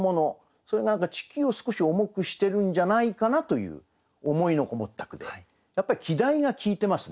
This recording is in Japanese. それが何か地球を少し重くしてるんじゃないかなという思いのこもった句でやっぱり季題が効いてますね。